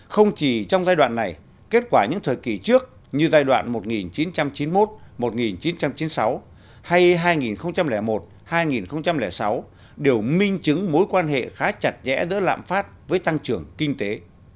không chỉ trong giai đoạn này kết quả những thời kỳ trước như giai đoạn một nghìn chín trăm chín mươi một một nghìn chín trăm chín mươi sáu hay hai nghìn một hai nghìn sáu đều minh chứng mối quan hệ khá chặt chẽ giữa lạm phát với tăng trưởng kinh tế